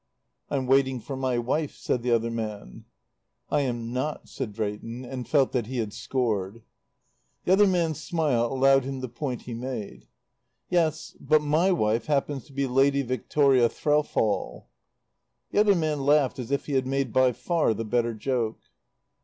"I'm waiting for my wife," said the other man. "I am not," said Drayton, and felt that he had scored. The other man's smile allowed him the point he made. "Yes, but my wife happens to be Lady Victoria Threlfall." The other man laughed as if he had made by far the better joke.